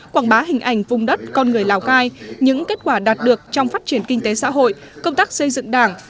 quảng bá hình ảnh vùng đất con người lào cai những kết quả đạt được trong phát triển kinh tế xã hội công tác xây dựng đảng